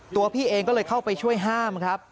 พี่เองก็เลยเข้าไปช่วยห้ามครับ